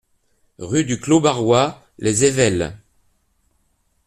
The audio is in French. Rue du Clos Barrois, Les Ayvelles